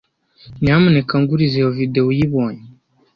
Nyamuneka nguriza iyo videwo uyibonye.